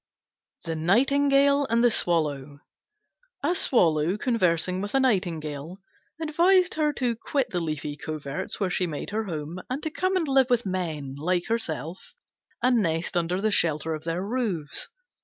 THE NIGHTINGALE AND THE SWALLOW A Swallow, conversing with a Nightingale, advised her to quit the leafy coverts where she made her home, and to come and live with men, like herself, and nest under the shelter of their roofs.